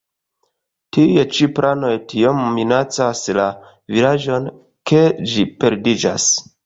Tiuj ĉi planoj tiom minacas la vilaĝon, ke ĝi perdiĝas.